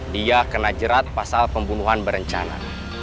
dia kena jerat pasal pembunuhan berencana